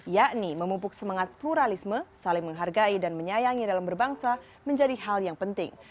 yakni memupuk semangat pluralisme saling menghargai dan menyayangi dalam berbangsa menjadi hal yang penting